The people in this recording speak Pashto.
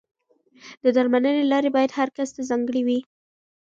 د درملنې لارې باید هر کس ته ځانګړې وي.